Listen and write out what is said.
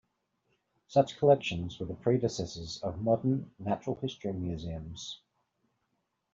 Such collections were the predecessors of modern natural history museums.